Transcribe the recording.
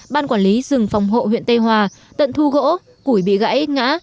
ban quản lý rừng phòng hộ huyện tây hòa tận thu gỗ củi bị gãy ngã